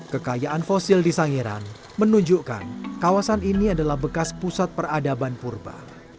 kekayaan fosil di sangiran menunjukkan kawasan ini adalah bekas pusat peradaban purba